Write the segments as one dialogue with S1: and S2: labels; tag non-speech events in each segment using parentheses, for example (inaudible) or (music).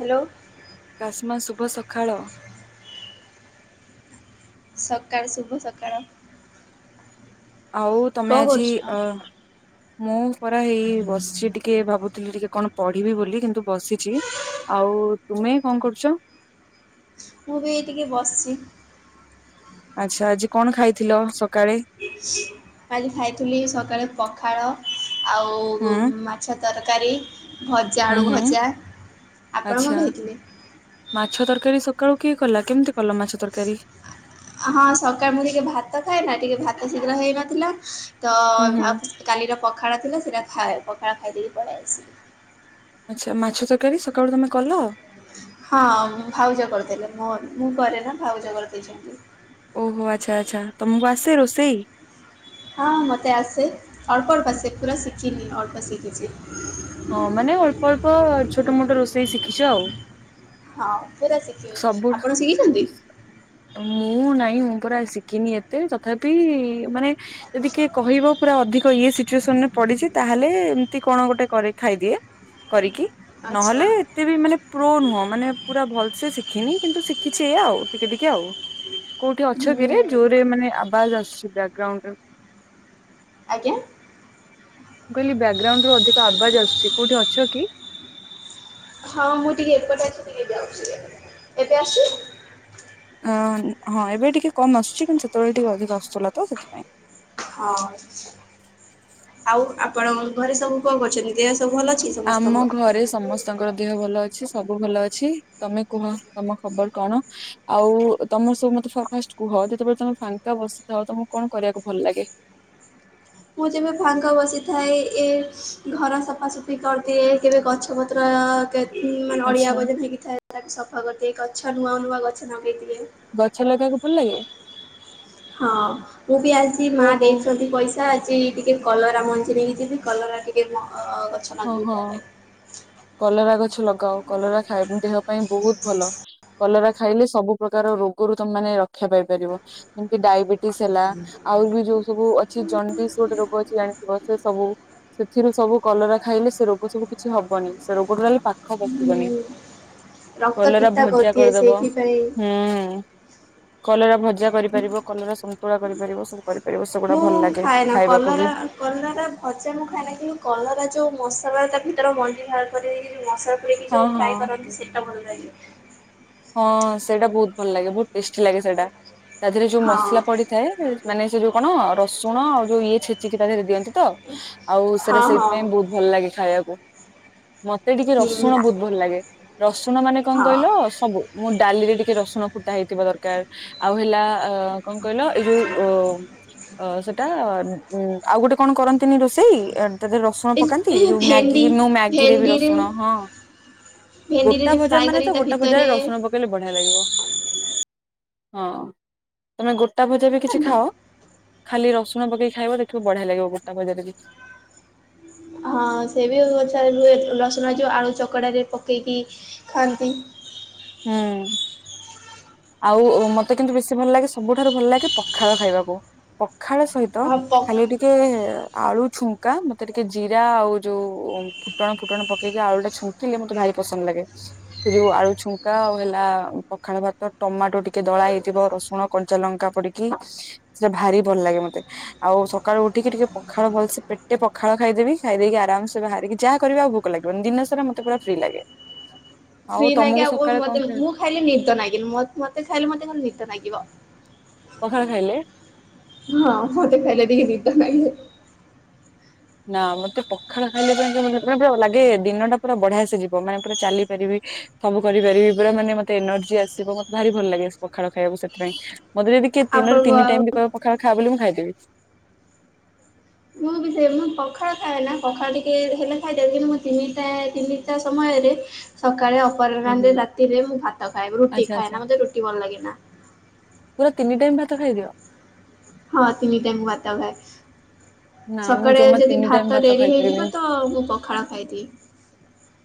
S1: Hello.
S2: କାଶମା ଶୁଭ ସକାଳ।
S1: ସକାଳ ଶୁଭ ସକାଳ।
S2: ଆଉ ତମେ
S1: କଣ
S2: ଆଜି
S1: କରୁଛ?
S2: ଅ ମୁଁ ପରା ହେଇ ବସିଛି ଟିକେ ଭାବୁଥିଲି ଟିକେ କଣ ପଢ଼ିବି ବୋଲି କିନ୍ତୁ ବସିଛି, ଆଉ ତୁମେ କଣ କରୁଛ?
S1: ମୁଁ ବି ଟିକେ ବସିଛି।
S2: ଆଚ୍ଛା ଆଜି କଣ ଖାଇଥିଲ ସକାଳେ?
S1: ଆଜି ଖାଇଥିଲି ସକାଳେ ପଖାଳ
S2: ହୁଁ
S1: ଆଉ ମାଛ ତରକାରୀ, ଭଜା
S2: ହୁଁ
S1: ଆଳୁ
S2: ହୁଁ
S1: ଭଜା, ଆପଣ କଣ
S2: ଆଚ୍ଛା।
S1: ଖାଇଥିଲେ?
S2: ମାଛ ତରକାରୀ ସକାଳୁ କିଏ କଲା କେମିତି କଲ ମାଛ ତରକାରୀ?
S1: ହଁ ସକାଳେ ମୁଁ ଟିକେ ଭାତ ଖାଏ ନା ଟିକେ ଭାତ ଶୀଘ୍ର ହେଇନଥିଲା ତ
S2: ହୁଁ ହୁଁ
S1: ଆ କାଲିର ପଖାଳ ଥିଲା ସେଇଟା ଖାଏ ପଖାଳ ଖାଇଦେଇକି ପଲେଇ ଆସି
S2: ଆଚ୍ଛା ମାଛ ତରକାରୀ ସକାଳୁ ତମେ କଲ?
S1: ହଁ ଭାଉଜ କରିଦେଲେ ମୋ ମୁଁ କରେ ନା ଭାଉଜ କରିଦେଇଛନ୍ତି।
S2: ଓହୋ ଆଚ୍ଛା ଆଚ୍ଛା, ତମକୁ ଆସେ ରୋଷେଇ?
S1: ହଁ ମୋତେ ଆସେ ଅଳ୍ପ ଅଳ୍ପ ବସେ ପୁରା ଶିଖିନି ଅଳ୍ପ ଶିଖିଛି।
S2: ହଁ ମାନେ ଅଳ୍ପ ଅଳ୍ପ ଛୋଟ ମୋଟ ରୋଷେଇ ଶିଖିଛ ଆଉ।
S1: ହଁ ପୁରା ଶିଖିବି
S2: ସବୁ
S1: ଆପଣ ଶିଖିଛନ୍ତି?
S2: ମୁଁ ନାଇଁ ମୁଁ ପୁରା ଶିଖିନି ଏତେ ତଥାପି ମାନେ ଯଦି କିଏ କହିବ ପୁରା ଅଧିକ ଇଏ ସିଚୁଏସନ ରେ ପଡିଛି ତାହେଲେ ଏମିତି କଣ ଗୋଟେ କରେ ଖାଇଦିଏ କରିକି
S1: ଆଚ୍ଛା
S2: ନହେଲେ ଏତେ ବି ମାନେ ପ୍ରୋ ନୁହଁ ମାନେ ପୁରା ଭଲ ସେ ଶିଖିନି କିନ୍ତୁ ଶିଖିଛି ଏଇଆ ଆଉ ଟିକେ ଟିକେ ଆଉ। କୋଉଠି ଅଛ
S1: ହୁଁ
S2: କିରେ ଜୋରରେ ମାନେ ଆବାଜ ଆସୁଛି ବ୍ୟାକଗ୍ରାଉଣ୍ଡରେ।
S1: ଆଜ୍ଞା।
S2: ମୁଁ କହିଲି ବ୍ୟାକଗ୍ରାଉଣ୍ଡ ରୁ ଅଧିକ ଆବାଜ ଆସୁଛି କୋଉଠି ଅଛ କି?
S1: ହଁ ମୁଁ ଟିକେ ଏପଟେ ଅଛି ଟିକେ ଯାଉଛି ଏବେ ଆସୁଛି?
S2: ଅ ହଁ ଏବେ ଟିକେ କମ୍ ଆସୁଛି କିନ୍ତୁ ସେତେବେଳେ ଟିକେ ଅଧିକ ଆସୁଥିଲା ତ ସେଥିପାଇଁ।
S1: ହଁ, ଆଉ ଆପଣଙ୍କ ଘରେ ସବୁ କଣ କରୁଛନ୍ତି? ଦେହ ସବୁ ଭଲ ଅଛି
S2: ଆମ
S1: ସମସ୍ତଙ୍କର
S2: ଘରେ ସମସ୍ତ ସମସ୍ତଙ୍କର ଦେହ ଭଲ ଅଛି ସବୁ ଭଲ ଅଛି ତମେ କୁହ ତମ ଖବର କଣ? ଆଉ ତମର ସବୁ ମତେ ଫାଷ୍ଟ କୁହ ଯେତେବେଳେ ତମେ ଫାଙ୍କା ବସିଥାଉ ତମକୁ କଣ କରିବାକୁ ଭଲ ଲାଗେ?
S1: ମୁଁ ଯେବେ ଭାଙ୍ଗ ବସିଥାଏ ଏ ଘର ସଫାସଫି କରିଦିଏ କେବେ ଗଛ ପତ୍ର ହୁଁ ମାନେ ଅଳିଆ
S2: ଆଚ୍ଛା
S1: ଭଜନ ହେଇକିଥାଏ ତା ସଫା କରିଦିଏ ଗଛ ନୂଆ ନୂଆ ଗଛ ଲଗେଇଦିଏ।
S2: ଗଛ ଲଗାବାକୁ ଭଲ ଲାଗେ।
S1: ହଁ ମୁଁ ବି ଆଜି ମା
S2: କୋଉ କୋଉ
S1: ଦେଇଛନ୍ତି ପଇ ସା ଆଜି ଟିକେ କଲରା ମଞ୍ଜି ନେଇକି ଯିବି କଲରା ଟିକେ ମ ଗ
S2: ଓ ହ କଲରା ଗଛ ଲଗାଉ କଲରା ଖାଇ ଦେହ ପାଇଁ ବହୁତ ଭଲ। କଲରା ଖାଇଲେ ସବୁ ପ୍ରକାର ରୋଗରୁ ତମେ ମାନେ ରକ୍ଷା ପାଇପାରିବ ଯେମିତି ଡାଇବେ ସିହେଲା ଆହୁରି ବି ଯୋଉ ସବୁ ଅ କିଛି ଜଣ୍ଡିସ୍ ଗୋଟେ ରୋଗ ଅଛି ଜାଣିଥିବ ସେ ସବୁ ସେଥିରୁ ସବୁ କଲରା ଖାଇଲେ ସେ ରୋଗ ସବୁ କିଛି ହବନି ସେ ରୋଗ ଟୋଟାଲି ପାଖ ପସିବନି।
S1: ହୁଁ ରକ୍ତ
S2: କଲରା
S1: ପିତା
S2: ଭଜା
S1: କରିଦିଏ
S2: କରିଦବ
S1: ସେଇଥିପାଇଁ
S2: ହୁଁ। କଲରା ଭଜା କରିପାରିବ କଲରା ସନ୍ତୁଳା କରିପାରିବ ସବୁ କରି
S1: ମୁଁ ଖାଏନା କଲରା କଲରା ଭଜା ମୁଁ ଖାଇଏନା କିନ୍ତୁ କଲରା ଯୋଉ ମସଲା ତା ଭିତରେ ମଞ୍ଜି ବାହାର କରିକି ମସଲା
S2: ହଁ
S1: ଯୋଉ
S2: ହଁ
S1: ଫ୍ରାଏ କରନ୍ତି ସେଟା ଭଲ ଲାଗେ।
S2: ହଁ ସେଇଟା ବହୁତ୍ ଭଲ ଲାଗେ ବହୁତ ଟେଷ୍ଟି ଲାଗେ ସେଇଟା ତା ଦେହରେ ଯୋଉ
S1: ହଁ
S2: ମସଲା ପଡିଥାଏ ମାନେ ସେ ଯୋଉ କଣ ରସୁଣ ଆଉ ଯୋଉ ଇଏ ଛେଚିକି ତା ଦେହରେ ଦିଅନ୍ତି ତ ଆଉ ସେଟା
S1: ହଁ ହଁ
S2: ସେଇଥିପାଇଁ ବହୁତ୍ ଭଲ ଲାଗେ ଖାଇବାକୁ। ମତେ ଟିକେ
S1: ହୁଁ
S2: ରସୁଣ ବହୁତ୍ ଭଲ ଲାଗେ ରସୁଣ ମାନେ କଣ
S1: ହଁ
S2: କହିଲ ସବୁ ମୋ ଡାଲିରେ ଟିକେଏ ରସୁଣ ଫୁଟା ହେଇଥିବା ଦରକାର୍ ଆଉ ହେଲା ଅ କଣ କହିଲ ଏଇ ଯୋଉ ଅ ଅ ସେଟା ଉୁଁ ଆଉ ଗୋଟେ କଣ କରନ୍ତିନି ରୋଷେଇ ତା ଦେହରେ ରସୁଣ
S1: ଏ
S2: ପକାନ୍ତି
S1: ଏ
S2: ଯୋଉ
S1: ଭେଣ୍ଡି
S2: ମ୍ୟାଗି ନୁ ମ୍ୟାଗିରେ ବି
S1: ଭେଣ୍ଡିରେ
S2: ରସୁଣ ହଁ।
S1: ଭେଣ୍ଡିରେ
S2: ଗୋଟା
S1: ଯୋଉ
S2: ଭଜା
S1: ଫ୍ରାଏ
S2: ମାନେ ତ
S1: କରିକି ତା
S2: ଗୋଟା ଭଜାରେ
S1: ଭିତରେ
S2: ରସୁଣ ପକେଇଲେ ବଢିଆ ଲାଗିବ ହଁ। ତମେ ଗୋଟା ଭଜା ବି କିଛି
S1: ଖାଆନ୍ତି।
S2: ଖାଅ? ଖାଲି ରସୁଣ ପକେଇକି ଖାଇବ ଦେଖିବ ବଢିଆ ଲାଗିବ ଗୋଟା ଭଜାରେ ବି।
S1: ହଁ ସେବି (unintelligible) ରସୁଣ ଯୋଉ ଆଳୁ ଚକଡ଼ାରେ ପକେଇକି ଖାଆନ୍ତି।
S2: ହୁଁ। ଆଉ ମତେ କିନ୍ତୁ ବେଶୀ ଭଲ ଲାଗେ ସବୁଠାରୁ ଭଲ ଲାଗେ ପଖାଳ ଖାଇବାକୁ ପଖାଳ ସହି ତ
S1: ହଁ ପ
S2: ଖାଲି ଟିକେ ଆଳୁ ଛୁଙ୍କା ମତେ ଟିକେ ଜିରା ଆଉ ଯୋଉ ଫୁଟଣ ଫୁଟଣ ପକେଇକି ଆଳୁଟା ଛୁଙ୍କିଲେ ମତେ ବି ପସନ୍ଦ ଲାଗେ ସେ ଯଉ ଆଳୁ ଛୁଙ୍କ ଙ୍କା ଆଉ ହେଲା ପଖାଳ ଭାତ ଟମାଟୋ ଟିକେ ଦଳା ହେଇଯିବ ରସୁଣ କଞ୍ଚା ଲଙ୍କା ପଡ଼ିକି। ସେ ଭାରି ଭଲ ଲାଗେ ମତେ। ଆଉ ସକାଳୁ ଉଠିକି ଟିକେ ପଖାଳ ଭଲସେ ପେଟେ ପଖାଳ ଖାଇଦେବି ଖାଇଦେଇକି ଆରାମସେ ବାହାରିକି ଯହା କରିବା ଆ ଭୋକ ଲାଗିବନି ଦିନ ସାରା ମୋତେ ପୁରା ଫ୍ରି ଲାଗେ। ଆଉ
S1: ଫ୍ରି ନାଗି
S2: ତମକୁ
S1: ଆଉ
S2: ସକାଳେ କଣ
S1: ମତେ ମୁଁ ଖାଇଲେ ନିଦ ନାଗିନି ମତେ ଖାଇଲେ ମତେ ଖାଲି ନିଦ ନାଗିବ।
S2: ପଖାଳ ଖାଇଲେ।
S1: ହଁ ମୋତେ ଖାଇଲେ ଟିକେ ନିଦ ଲାଗିବ।
S2: ନା ମତେ ପଖାଳ ଖାଇଲେ ପାଇଁ ଲାଗେ ଦିନ ଟା ପୁରା ବଢିଆ ସେ ଯିବ ମାନେ ପୁରା ଚାଲିପାରିବି ସବୁ କରିପାରିବି ପୁରା ମାନେ ମତେ ଏନର୍ଜି ଆସିବ ମତେ ଭାରି ଭଲ ଲାଗେ ପଖାଳ ଖାଇବାକୁ ସେଥିପାଇଁ। ମତେ ଯଦି କିଏ ଦିନରେ
S1: ଆପଣଙ୍କ
S2: ତିନି
S1: ଆଉ
S2: ଟାଇମ୍ ବି କହିବ ପଖାଳ ଖା ବୋଲି ମୁଁ ଖାଇଦେବି।
S1: ମୁଁ ବି ସେ ମୁଁ ପଖାଳ ଖାଏନା ପଖାଳ ଟିକେ ହେଲେ ଖାଇଥାଏ କିନ୍ତୁ ମୁଁ ତିନିଟା ତିନିଟା ସମୟରେ ସକାଳେ
S2: ହୁଁ ହୁଁ।
S1: ଅପରାହ୍ନରେ ରାତିରେ ମୁଁ ଭାତ ଖାଏ ମୁଁ ରୁଟି
S2: ଆଚ୍ଛା ଆଚ୍ଛା
S1: ଖାଏନା ମତେ ରୁଟି ଭଲ ଲାଗେନା।
S2: ପୁରା ତିନି ଟାଇମ୍ ଭାତ ଖାଇଦିଅ।
S1: ହଁ ତିନି ଟାଇମ୍ ମୁଁ ଭାତଖାଏ।
S2: ନା ମୁଁ
S1: ସକାଳେ
S2: ଜମା
S1: ଯଦି
S2: ତିନି ଟାଇମ
S1: ଭାତ ଡ଼େରି
S2: ଖାଇପାରିବିନି।
S1: ହେଇଯିବ ତ ମୁଁ ପଖାଳ ଖାଇଦିଏ।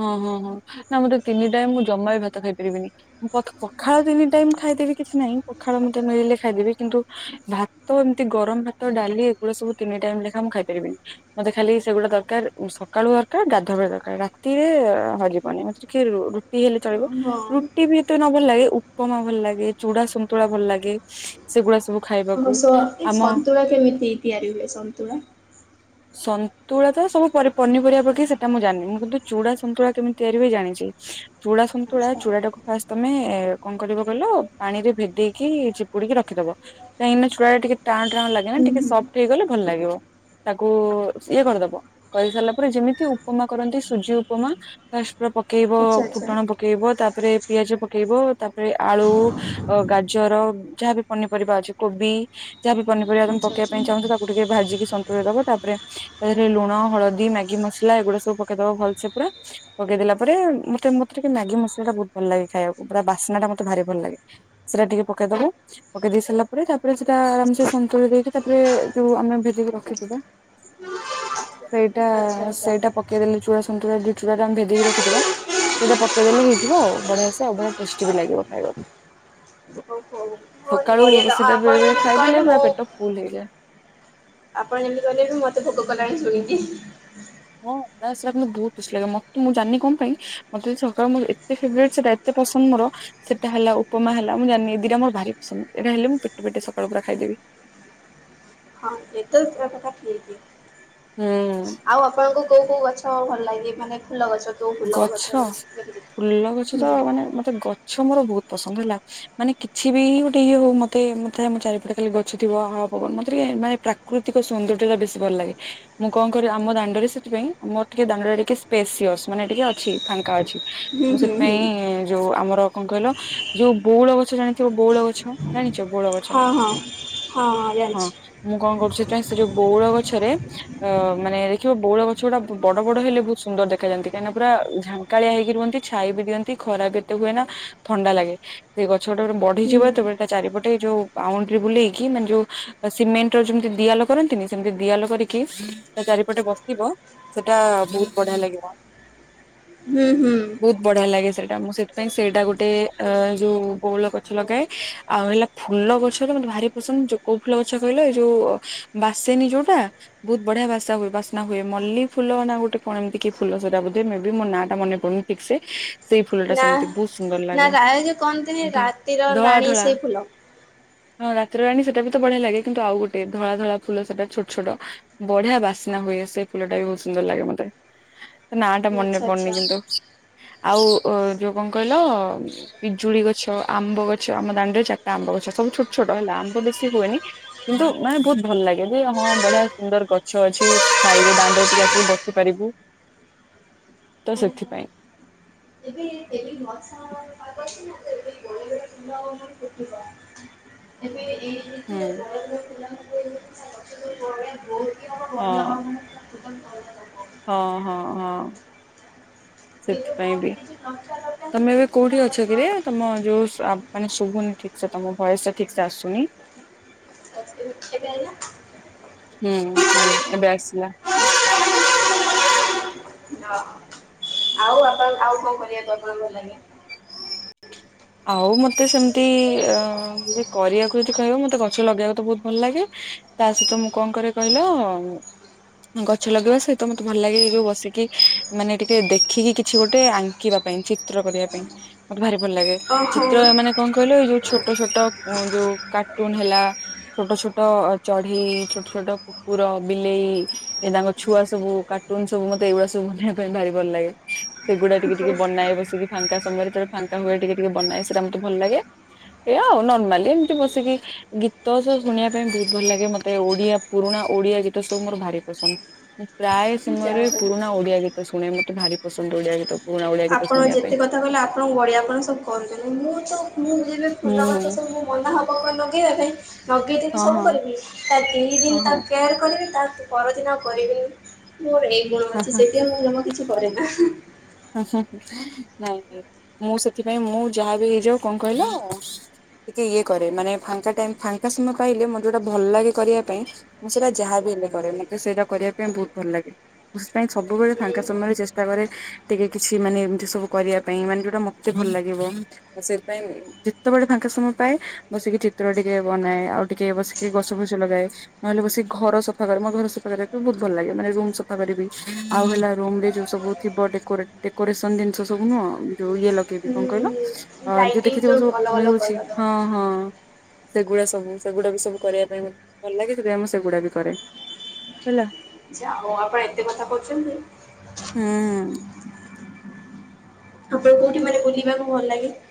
S2: ହଁ ହଁ ହଁ ନା ମତେ ତିନି ଟାଇମ ମୁଁ ଜମା ବି ଭାତ ଖାଇପାରିବିନି। ପକ୍ ପଖାଳ ତିନି ଟାଇମ୍ ଖାଇଦେବି କିଛି ନାହିଁ। ପଖାଳ ମୁଠେ ନହେଲେ ଖାଇଦେବି। କିନ୍ତୁ ଭାତ ଏମିତି ଗରମ ଭାତ ଡାଲି ଏଗୁଡା ସବୁ ତିନି ଟାଇମ୍ ଲେଖା ମୁଁ ଖାଇ ପାରିବିନି। ମତେ ଖାଲି ସେଗୁଡା ଦରକାର ଉଁ ସକାଳୁ ଦରକାର ଗାଧୁଆ ବେଳେ ଦରକାର୍ ରାତିରେ ହଁ ଯିବନି ମତେ ଟିକେ ରୁ ରୁଟି ହେଲେ ଚଳିବ।
S1: ହଁ।
S2: ରୁଟି ବି ଏତେ ବି ନ ଭଲ ଲାଗେ ଉପମା ଭଲ ଲାଗେ ଚୁଡା ସନ୍ତୁଳା ଭଲ ଲାଗେ। ସେଗୁଡ଼ା ସବୁ ଖାଇ
S1: ଆମ ସ ଏ ସନ୍ତୁଳା କେମିତି ତିଆରି ହୁଏ ସନ୍ତୁଳା।
S2: ସନ୍ତୁଳା ତ ସବୁ ପରି ପନିପରିବା ପକେଇ ସେଟା ମୁଁ ଜାଣିନି। ମୁଁ କିନ୍ତୁ ଚୁଡ଼ା ସନ୍ତୁଳା କେମିତି ତିଆରି ହୁଏ ଜାଣିଛି। ଚୁଡ଼ା ସନ୍ତୁଳା
S1: ଆଚ୍ଛା
S2: ଚୁଡ଼ାଟାକୁ ଫାଷ୍ଟ ତମେ କଣ କରିବ କହିଲ ପାଣିରେ ଭିଦେଇକି ଚି ଚିପୁଡିକି ରଖିଦବ କାହିଁକି ନା ଚୁଡ଼ା ଟିକେ ଟାଣ ଟାଣ ଲାଗେ ନା
S1: ହୁଁ
S2: ଟିକେ
S1: ହୁଁ
S2: ସଫ୍ଟ ହେଇଗଲେ ଭଲ ଲାଗିବ। ତାକୁ ଇଏ କରିଦବ କରିସାରିଲା ପରେ ଯେମିତି ଉପମା କରନ୍ତି ସୁଜି ଉପମା। ଫାଷ୍ଟ ପୁରା ପକେଇବ
S1: ଆଚ୍ଛା ଆଚ୍ଛା
S2: ଫୁଟଣ ପକ୍ ପକେଇବ। ତାପରେ ପିଆଜ ପକେଇବ। ତାପରେ ଆଳୁ ଗାଜର ଯାହାବି ପନିପରିବା ଅଛି। କୋବି ଯାହାବି ପନିପରିବା ତମେ
S1: ଆଚ୍ଛା
S2: ପକେଇବା
S1: ଆଚ୍ଛା।
S2: ପାଇଁ ଚାହୁଁଚ। ତା ଟିକେ ଭାଜିକି ସନ୍ତୁଳି ଦବ। ତାପରେ ତା ଦେହରେ ଲୁଣ ହଳଦୀ ମ୍ୟାଗି ମସଲା ଏଗୁଡା ସବୁ ପକେଇଦବ ଭଲ ସେ ପୁରା। ପକେଇଦେଲା ପରେ ମତେ ମତେ ଟିକେ ମ୍ୟାଗି ମସଲାଟା ବହୁତ ଭଲ ଲାଗେ ଖାଇବାକୁ ପୁରା ବାସ୍ନାଟା ମତେ ଭାରି ଭଲ ଲାଗେ। ସେରା ଟିକେ ପକେଇଦବ ପକେଇ ଦେଇ ସାରିଲା ପରେ ତାପରେ ସେଟା ଆରାମ ସେ ସନ୍ତୁଳି ଦେଇକି ତାପରେ ଯୋଉ ଆମେ ଭିଦେଇକି ରଖିଥିବା। ସେଇଟା
S1: ଆଚ୍ଛା ଆଚ୍ଛା
S2: ସେଇଟା ପ ପକେଇ ଦେଲେ ଚୁଡ଼ା ସନ୍ତୁଳାରେ ଯୋଉ ଚୁଡ଼ା ଆମେ ଭେଦେଇକି ରଖିଥିଲା। ସେଇଟା ପକେଇ ଦେଲେ ହେଇଯିବ ଆଉ ବଢ଼ିଆ ସେ ଆଉ ବଢ଼ିଆ ଟେଷ୍ଟି ବି ଲାଗିବ ଖାଇବାକୁ।
S1: ଓହୋ
S2: ସକାଳୁ
S1: ବଢିଆ ତ
S2: ସେଟା
S1: ଆପଣ
S2: ବେଳେ ବେଳେ
S1: ଯେମିତି କହିଲେ
S2: ଖାଇଦେଲେ ପୁରା
S1: ମୁଁ
S2: ପେଟ ଫୁଲ ହେଇଯାଏ।
S1: ଆପଣ ଯେମିତି କହିଲେ କି ମତେ ଭୋଗ କଲାଣି ଶୁଣିକି।
S2: ହଁ ତା ସାଙ୍ଗରେ ବହୁତ ଖୁସି ଲାଗେ ମତେ ମୁଁ ଜାଣିନି କଣ ପାଇଁ ମତେ ସକାଳ ମୋର ଏତେ ଫେଭରାଇଟି ସେଇଟା ଏ ଏତେ ପସନ୍ଦ ମୋର ସେଟା ହେଲା ଉପମା ହେଲା ମୁଁ ଜାଣିନି ଏ ଦିଟା ମୋ ଭାରି ପସନ୍ଦ ଏଟା ହେଲେ ମୁଁ ପେଟେ ପେଟେ ସକାଳୁ ପୁରା ଖାଇଦେବି।
S1: ସିଏ ତ ଉତ୍ତରଟା କାଟି ଦେଇଛି।
S2: ହୁଁ
S1: ଆଉ ଆପଣଙ୍କୁ କୋଉ କୋଉ ଗଛ ଭଲ ଲାଗେ। ମାନେ ଫୁଲ ଗଛ କୋଉ ଫୁଲ
S2: ଗଛ
S1: କେମିତି?
S2: ଫୁଲ ଗଛ ତ
S1: ହୁଁ
S2: ମାନେ ମତେ ଗଛ ମୋର ବହୁତ ପସନ୍ଦ ହେଲା। ମାନେ କିଛି ବି ଗୋଟେ ଇଏ ହଉ ମତେ ମତେ ଆମ ଚାରିପଟେ ଖାଲି ଗଛ ଥିବ ହାୱଆ ପବନ ମତେ ଟିକେ ମାନେ ପ୍ରା ପ୍ରାକୃତିକ ସୌନ୍ଦର୍ଯ୍ୟଟା ବେଶୀ ଭଲ ଲାଗେ। ମୁଁ କଣ କରିବି ଆମ ଦାଣ୍ଡରେ ସେଥିପାଇଁ ମୋର ଟିକେ ଦାଣ୍ଡରେ ଟିକେ ସ୍ପେଶିଅସ୍। ମାନେ ଟିକେ ଅଛି ଫାଙ୍କା ଅଛି।
S1: ହୁଁ
S2: ମୁଁ
S1: ହୁଁ ହୁଁ
S2: ସେଥିପାଇଁ ଯୋଉ ଆମର କଣ କହିଲ ଯୋଉ ବଉଳ ଗଛ ଜାଣିଥିବ ବଉଳ ଗଛ। ଜାଣିଛ ବଉଳ ଗଛ
S1: ହଁ ହଁ ହଁ
S2: ହଁ।
S1: ଜାଣିଛି।
S2: ମୁଁ କଣ କରୁଛି ସେଥିପାଇଁ ସେ ଯୋଉ ବଉଳ ଗଛରେ ଅଁ ମାନେ ଦେଖିବ ବଉଳ ଗଛ ଗୁଡ଼ା ବଡ଼ ବଡ଼ ହେଲେ ବହୁତ ସୁନ୍ଦର ଦେଖାଯାଆନ୍ତି। କାହିଁକିନା ପୁରା ଝାଙ୍କାଳିଆ ହେଇକି ରୁହନ୍ତି ଛାଇ ବି ଦିଅନ୍ତି ଖରା ଏତେ ହୁଏ ନା ଥଣ୍ଡା ଲାଗେ। ସେଇ ଗଛ ଗୋଟେ ଗୋଟେ
S1: ହୁଁ
S2: ବଢିଯିବ ଯେତେବେଳେ ତା ଚାରିପଟେ ଯୋଉ ବାଉଣ୍ଡରୀ ବୁଲେଇକି ମାନେ ଯୋଉ ସିମେଣ୍ଟର ଯେମିତି ଦିଆଲ କରନ୍ତିନି ସେମିତି ଦିଆଲ କରିକି ତା ଚାରିପଟେ ବସିବ। ସେଟା ବହୁତ ବଢ଼ିଆ ଲାଗିବ।
S1: ହୁଁ ହୁଁ।
S2: ବହୁତ ବଢିଆ ଲାଗେ ସେଇଟା ମୁଁ ସେଥି ପାଇଁ ସେଇଟା ଗୋଟେ ଅ ଯୋଉ ବଉଳ ଗଛ ଲଗାଏ ଆଉ ହେଲା। ଫୁଲ ଗଛଟା ମତେ ଭାରି ପସନ୍ଦ ଯୋଉ କୋଉ ଫୁଲ ଗଛ କହିଲ ଏ ଯଉ ବାସେନୀ ଯୋଉଟା। ବହୁତ ବଢିଆ ବାସା ହୁଏ ବାସ୍ନା ହୁଏ ମଲ୍ଲି ଫୁଲ ନା ଗୋଟେ କଣ ଏମିତି କି ଫୁଲ। ସେଟା ବୋଧେ ମେ ବି ମୋ ନାଁଟା ମୋର ପଡୁନି ଠିକ ସେ। ସେଇ ଫୁଲ ଟା
S1: ନା
S2: ସେମିତି ବହୁତ ସୁନ୍ଦର
S1: ନା
S2: ଲାଗେ
S1: ରାୟ ଯେ କହନ୍ତିନି
S2: ଧ
S1: ରାତିର
S2: ଧଳା
S1: ରାଣୀ
S2: ଧଳା।
S1: ସେଇ ଫୁଲ
S2: ହଁ ରାତିରେ ରାଣୀ ସେଟ ବି ତ ବଢିଆ ଲାଗେ କିନ୍ତୁ ଆଉ ଗୋଟେ ଧଳା ଧଳା ଫୁଲ ସେଇଟା ଛୋଟ ଛୋଟ। ବଢିଆ ବାସନା ହୁଏ ସେ ଫୁଲଟା ବି ବହୁତ ସୁନ୍ଦର ଲାଗେ ମତେ। ନା ଟା ମନେ
S1: ଆଚ୍ଛା
S2: ପଡୁନି
S1: ଆଚ୍ଛା।
S2: କିନ୍ତୁ ଆଉ ଯୋଉ କଣ କହିଲ। ପିଜୁଳି ଗଛ ଆମ୍ବ ଗଛ ଆମ ଦାଣ୍ଡରେ ଚାରିଟା ଆମ୍ବ ଗଛ ସବୁ ଛୋଟ ଛୋଟ ହେଲା ଆମ୍ବ ବେଶୀ ହୁଏନି। କିନ୍ତୁ ମାନେ ବହୁତ ଭଲ ଲାଗେ ଯେ ହଁ ବଢିଆ ସୁନ୍ଦର ଗଛ ଅଛି ଖାଇ ଦାଣ୍ଡରେ ଟିକେ ଆସି ବସିପାରିବୁ। ତ ସେଥିପାଇଁ।
S1: ଏ ଏ ମଶା ଆମର ପା ଅଛି ନାବେ ଗ ଫଟିବ ଏବେ ଏ
S2: ହୁଁ।
S1: (unintelligible)
S2: ହଁ। ହଁ
S1: ଏଇ ଯୋଉ କହନ୍ତିନି ଯେ ଲଟା ଲଟା
S2: ହଁ ହଁ।
S1: ଏ ଯୋଉ
S2: ସେଥିପାଇଁ
S1: କଣ
S2: ବି
S1: କିଛି
S2: ତମେ ଏବେ କୋଉଠି ଅଛ କିରେ ତମ ଯୋଉ ମାନେ ଶୁଭୁନି ଠିକ ସେ ତମ ଭୟସ ଟା ଠିକ ସେ ଆସୁନି।
S1: ଆ ଏବେ ଆଇଲା।
S2: ହୁଁ ହୁଁ ଏବେ ଆସିଲା।
S1: ହଁ। ଆଉ ଆପଣ ଆଉ କଣ? (inaudible) ଲାଗେ।
S2: ଆଉ ମତେ ସେମିତି ଅ କରିବାକୁ ଯଦି କହିବ ମତେ ଗଛ ଲଗେଇବାକୁ ତ ବହୁତ ଭଲ ଲାଗେ। ତା ସହିତ ମୁଁ କଣ କରେ କହିଲ? ଗଛ ଲଗେଇବା ସହିତ ମତେ ଭଲ ଲାଗେଉ ବସିକି ମାନେ ଟିକେ ଦେଖିକି କିଛି ଗୋଟେ ଆ ଙ୍କିବା ପାଇଁ ଚିତ୍ର କରିବା ପାଇଁ ମତେ ଭାରି ଭଲ ଲାଗେ।
S1: ଓହୋ।
S2: ଚିତ୍ର ମାନେ କଣ କହିଲ ଏଇ ଯୋଉ ଛୋଟ ଛୋଟ ଯୋଉ କାର୍ଟୁନ ହେଲା। ଛୋଟ ଛୋଟ ଚଢେଇ ଛୋଟ ଛୋଟ କୁକୁର ବିଲେଇ ଏ ତାଙ୍କ ଛୁଆ ସବୁ କାର୍ଟୁନ ସବୁ ମତେ ଏଇଗୁଡା ସବୁ ବୁନବା ପାଇଁ ଭାରି ଭଲ ଲାଗେ। ସେଗୁଡା ଟିକେ ଟିକେ ବନାଏ ବସିକି ଫାଙ୍କା ସମୟରେ ଫାଙ୍କା ହୁଏ ଟିକେ ଟିକେ ବନାଏ ସେଟା ଆ ମତେ ଭଲ ଲାଗେ। ଏ ଆଉ ନରମାଲି ଏମିତି ବସିକି। ଗୀତ ସବୁ ଶୁଣିବା ପାଇଁ ବହୁତ ଭଲ ଲାଗେ ମତେ ଓଡିଆ ପୁରୁଣା ଓଡିଆ ଗୀତ ସବୁ ମୋର ଭାରି ପସନ୍ଦ। ମୁଁ ପ୍ରାୟ ସମୟରେ
S1: ଯାହା ହଉ
S2: ପୁରୁଣା ଓଡିଆ ଗୀତ ଶୁଣେ ମତେ ଭାରି ପସନ୍ଦ ଓଡିଆ ଗୀତ ପୁରୁଣା ଓଡିଆ। ଗୀତ
S1: ଆପଣ
S2: ଶୁଣିବା ପାଇଁ।
S1: ଯେତେ କଥା କହିଲେ ଆପଣ ବଢ଼ିଆ ଆପଣ ସବୁ କରୁଛନ୍ତି ମୁଁ ତ ମୁଁ ଯେବେ ଫୁଲ ଗଛ
S2: ହୁଁ
S1: ସବୁ ମୁଁ ମନା ହବ କଣ ଲଗେଇବା ପାଇଁ। ନଗେଇଦେବିି
S2: ହଁ
S1: ସବୁ
S2: ହଁ
S1: କରିବି ତା ତିନି
S2: ହଁ
S1: ଦିନ ତା
S2: ହଁ।
S1: କେୟାର କରିବି ତା ପରଦିନ ଆଉ କରିବିନି ମୋର ଏଇ ଗୁଣ
S2: ହଁ
S1: ଅଛି
S2: ହଁ।
S1: ସେଥିପାଇ ମୁଁ ଜମା କିଛି କରେ ନା।
S2: ନାଇ ଇଁ ମୁଁ ସେଥିପାଇଁ ମୁଁ ଯାହା ବି ହେଇଯାଉ କଣ କହିଲ ଆଉ ଟିକେ ଇଏ କରେ ମାନେ ଫାଙ୍କା ଟ ଫାଙ୍କା ସମୟ ପାଇଲେ ମୋେଟା ଭଲ ଲାଗେ କରିବା ପାଇଁ ମୁଁ ସେଇଟା ଯାହାବି ହେଲେ କରେ ମତେ ସେଇଟା କରିବା ପାଇଁ ବହୁତ ଭଲ ଲାଗେ। ସେ ସେଥିପାଇ ସବୁବେଳେ ଫାଙ୍କା ସମୟରେ ଚେଷ୍ଟା କରେ। ଟିକେ କିଛି ମାନେ ଏମ୍ତି ସବୁ କରିବା ପାଇଁ, ମାନେ ଯଉଟା ମତେ ଭଲ୍‌ ଲାଗିବ। ସେ ପାଇଁ ଯେତବଳେ ଫାଙ୍କା ସମୟ ପାଏ, ବସିକି ଚିତ୍ର ଟିକେ ବନାଏ, ଆଉ ଟିକେ ବସିକି ଗଛ ଫସ ଲଗାଏ। ନହେଲେ ବସି ଘର ସଫା କରେ। ମ ଘର ସଫା କରି---କୁ ବଉତ୍ ଭଲ୍‌ ଲାଗେ, ମାନେ ରୁମ୍ ସଫା କରିବି। ଆଉ ହେଲା ରୁମ୍ ରେ (inaudible) ଙ୍କ କହିଲ, ଯଉ
S1: ଲାଇଟିଂ
S2: ଦେଖି ଥିବ
S1: ଯୋଉ
S2: ସବୁ
S1: ଅଲଗା ଅଲଗା
S2: ମିଳୁଛି।
S1: କଲର
S2: ସେଗୁଡ଼ା ସବୁ, ସେଗୁଡ଼ା ବି ସବୁ କରିବା ପାଇଁ ଭଲ୍ ଲାଗେ, ସେଥିପାଇଁ ମୁଁ ସେଗୁଡ଼ା ବି କରେ। (inaudible)
S1: (unintelligible)
S2: (inaudible)
S1: (unintelligible)